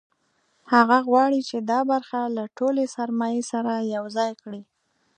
هغه غواړي چې دا برخه له ټولې سرمایې سره یوځای کړي